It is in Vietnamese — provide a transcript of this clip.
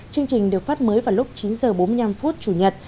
chương trình được phát mới vào lúc chín h bốn mươi năm phút chủ nhật